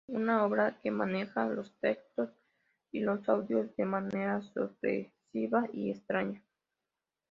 Una obra que maneja los textos y los audios de manera sorpresiva y extraña.